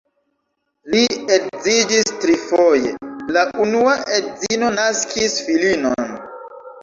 Li edziĝis trifoje, la unua edzino naskis filinon.